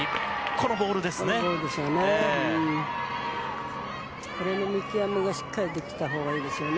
このボールですよね。